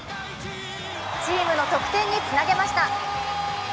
チームの得点につなげました。